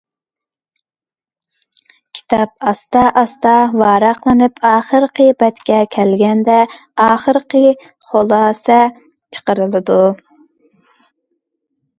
كىتاب ئاستا- ئاستا ۋاراقلىنىپ، ئاخىرقى بەتكە كەلگەندە، ئاخىرقى خۇلاسە چىقىرىلىدۇ.